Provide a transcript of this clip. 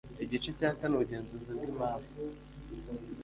Igice cya kane Ubugenzuzi bw imari